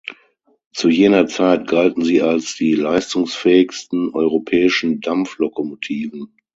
Zu jener Zeit galten sie als die leistungsfähigsten europäischen Dampflokomotiven.